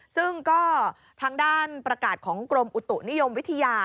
ซึ่งก็ทางด้านประกาศของกรมอุตุนิยมวิทยา